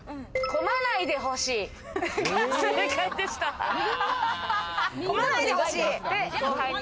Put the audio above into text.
混まないでほしい。